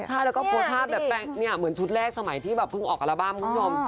ใช่แล้วก็โพสต์ภาพแบบแปลกเนี่ยเหมือนชุดแรกสมัยที่แบบเพิ่งออกอัลบั้มคุณผู้ชม